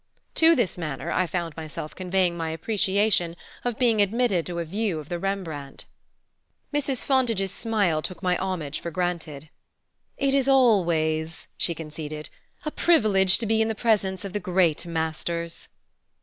To this manner I found myself conveying my appreciation of being admitted to a view of the Rembrandt. Mrs. Fontage's smile took my homage for granted. "It is always," she conceded, "a privilege to be in the presence of the great masters."